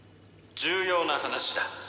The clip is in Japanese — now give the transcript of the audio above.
「重要な話だ」